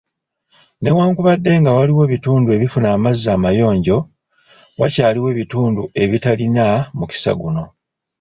Newankubadde nga waliwo ebitundu ebifuna amazzi amayonjo, wakyaliwo ebitundu ebitalina mukisa guno